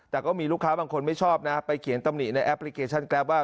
แต่ก็มีลูกค้าบางคนไม่ชอบนะไปเขียนตำหนิในแอปพลิเคชันแกรปว่า